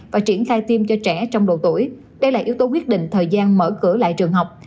và triển khai tiêm cho trẻ trong độ tuổi đây là yếu tố quyết định thời gian mở cửa lại trường học